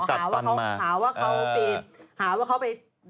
จัดฟันมาหาว่าเขาไป